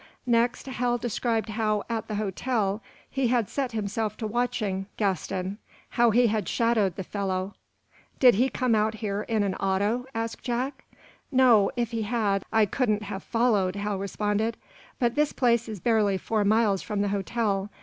Next Hal described how, at the hotel, he had set himself to watching Gaston; how he had shadowed the fellow. "Did he come out here in an auto?" asked Jack. "No; if he had, I couldn't have followed," Hal responded. "But this place is barely four miles from the hotel.